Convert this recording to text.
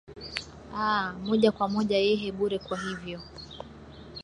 aa moja kwa moja yehee bure kwa hivyo